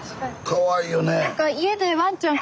かわいいよね。